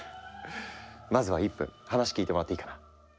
まずは１分話聞いてもらっていいかな？